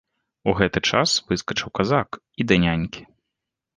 У гэты час выскачыў казак і да нянькі.